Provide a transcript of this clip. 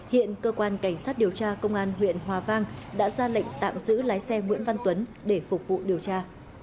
hiện cơ quan cảnh sát điều tra công an huyện hòa vang đã ra lệnh tạm giữ lái xe nguyễn văn tuấn để phục vụ điều tra